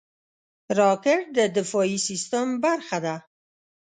راکټ د دفاعي سیستم برخه ده